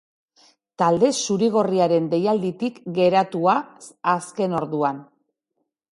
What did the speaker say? Talde zuri-gorriaren deialditik geratu a azken orduan.